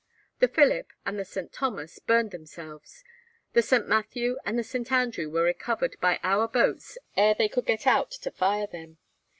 The 'Philip' and the 'St. Thomas' burned themselves; the 'St. Matthew' and the 'St. Andrew' were recovered by our boats ere they could get out to fire them.